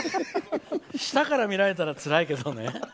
下から見られたらつらいけどね。